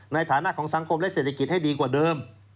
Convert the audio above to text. ในฐานะของสังคมและเศรษฐกิจให้ดีกว่าเดิม